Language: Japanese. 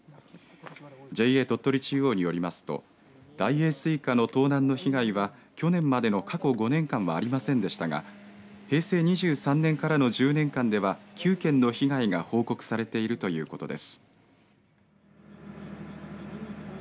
ＪＡ鳥取中央によりますと大栄西瓜の盗難の被害は去年までの過去５年間はありませんでしたが平成２３年からの１０年間では９件の被害が報告されているということです。